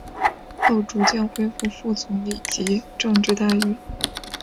后逐渐恢复副总理级政治待遇。